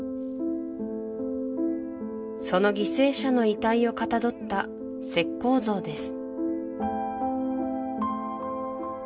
その犠牲者の遺体をかたどった石膏像です